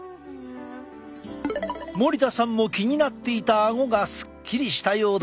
森田さんも気になっていたあごがすっきりしたようだ。